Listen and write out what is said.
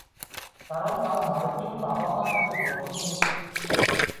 কারণ তার মার্কিন বাবা মা তাকে দত্তক নিয়েছিল।